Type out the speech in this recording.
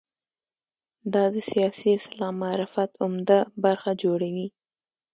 دا د سیاسي اسلام معرفت عمده برخه جوړوي.